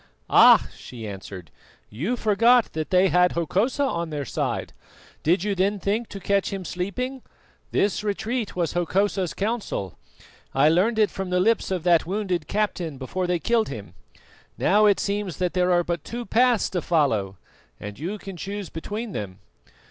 "Ah!" she answered, "you forgot that they had Hokosa on their side. Did you then think to catch him sleeping? This retreat was Hokosa's counsel. I learned it from the lips of that wounded captain before they killed him. Now, it seems that there are but two paths to follow, and you can choose between them.